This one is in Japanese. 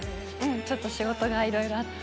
ちょっと仕事がいろいろあって。